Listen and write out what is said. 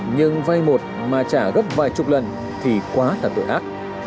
nhưng vay một mà trả gấp vài chục lần thì quá là tội ác